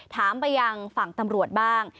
ถามไปยังฝั่งตำรวจบ้าง